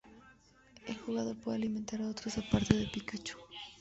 El jugador puede alimentar a otros aparte de Pikachu.